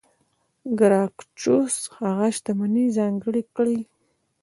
ګراکچوس هغه شتمنۍ ځانګړې کړې.